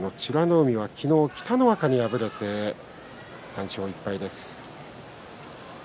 海は昨日、北の若に敗れて３勝１敗です。